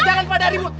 jangan pada ribut